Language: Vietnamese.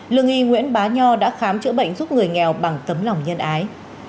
lương y nguyễn bá nho đã khám chữa bệnh giúp người nghèo bằng tấm lòng nhân ái